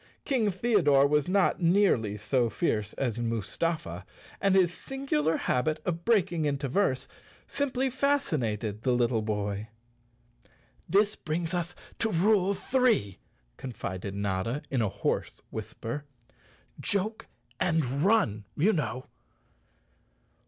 King Theodore was not nearly so fierce as Mus¬ tafa, and his singular habit of breaking into verse simply fascinated the little boy. "This brings us to rule three," confided Notta in a hoarse whisper. "Joke and run, you know!"